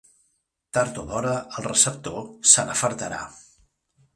Tard o d'hora el receptor se n'afartarà.